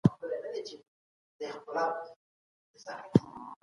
چېري د هنرمندانو ملاتړ کیږي؟